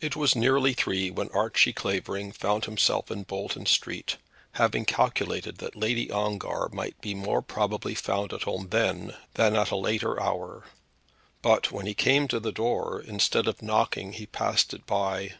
It was nearly three when he found himself in Bolton Street, having calculated that Lady Ongar might be more probably found at home then than at a later hour. But when he came to the door, instead of knocking, he passed by it.